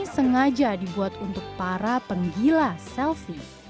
setengah aja dibuat untuk para penggila selfie